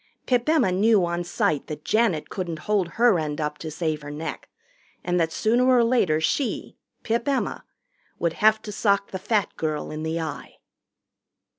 Pip Emma knew on sight that Janet couldn't hold her end up to save her neck, and that sooner or later she, Pip Emma, would have to sock the fat girl in the eye.